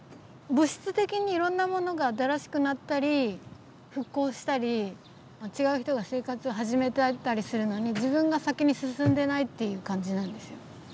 物質的にいろんなものが新しくなったり復興したり違う人が生活を始めてたりするのに自分が先に進んでないっていう感じなんですよ。